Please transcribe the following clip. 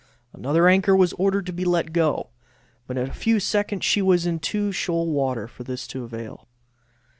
Another anchor was ordered to be let go, but in a few seconds she was in too shoal water for this to avail.